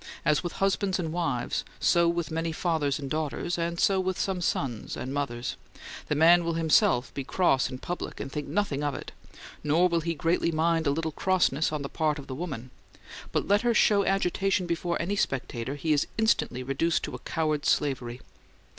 As with husbands and wives, so with many fathers and daughters, and so with some sons and mothers: the man will himself be cross in public and think nothing of it, nor will he greatly mind a little crossness on the part of the woman; but let her show agitation before any spectator, he is instantly reduced to a coward's slavery.